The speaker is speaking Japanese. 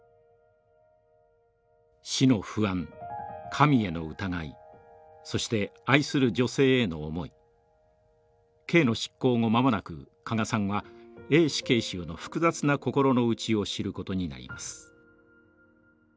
死の不安神への疑いそして愛する女性への思い刑の執行後間もなく加賀さんはＡ死刑囚の複雑なこころの内を知ることになります。